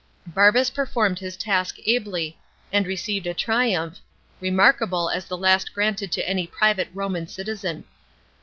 Balbus performed his task ably, and received a triumph, remarkable as the la>t granted to any private Homan citizen.